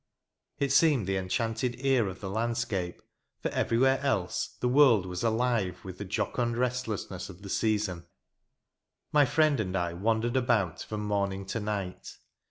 It seemed the enchanted ear of the landscape; for everywhere else, the world was alive with the jocund restlessness of the season. My friend and I wandered about from morning to night.